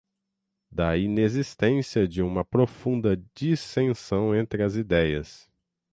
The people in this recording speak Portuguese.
da inexistência de uma profunda dissenção entre as ideias